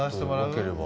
よければ。